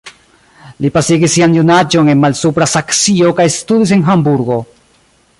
Li pasigis sian junaĝon en Malsupra Saksio kaj studis en Hamburgo.